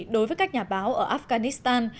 đối với các nhà báo ở afghanistan